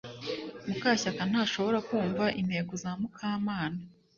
Mukashyakantashobora kumva intego za Mukamana